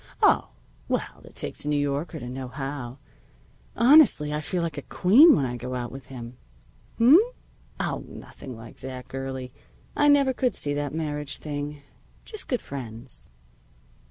Oh, well, it takes a New Yorker to know how. Honestly, I feel like a queen when I go out with him. H'm? Oh, nothing like that, girlie. I never could see that marriage thing. Just good friends."